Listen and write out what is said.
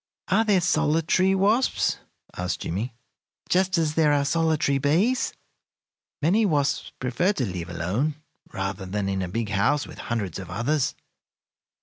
"Are there solitary wasps," asked Jimmie, "just as there are solitary bees?" "Many wasps prefer to live alone rather than in a big house with hundreds of others.